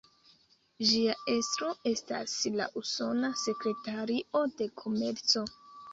Ĝia estro estas la Usona Sekretario de Komerco.